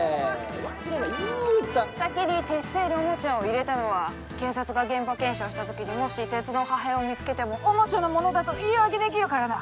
忘れな言うた先に鉄製のおもちゃを入れたのは警察が現場検証した時にもし鉄の破片を見つけてもおもちゃのものだと言い訳できるからな！